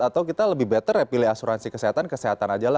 atau kita lebih better ya pilih asuransi kesehatan kesehatan aja lah